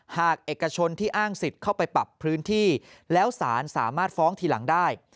หากเอกชนที่อ้างสิทธิ์เข้าไปปรับพื้นที่แล้วสารสามารถฟ้องทีหลังได้